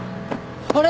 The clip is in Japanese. あれ！？